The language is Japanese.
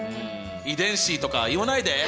遺伝子とか言わないで。